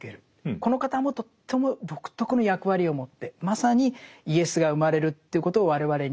この方もとっても独特の役割を持ってまさにイエスが生まれるということを我々に告げてくれる。